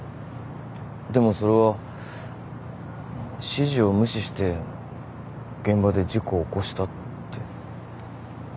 でもそれは指示を無視して現場で事故起こしたって。